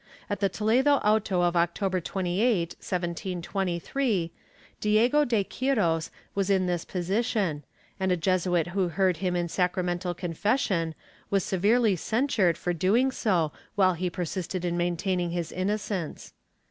At the Toledo auto of October 28, 1723, Diego de Quiros was in this position, and a Jesuit who heard him in sacramental confession was severely censured for doing so while he persisted in main taining his innocence.